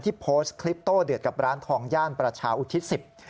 โพสต์คลิปโต้เดือดกับร้านทองย่านประชาอุทิศสิบ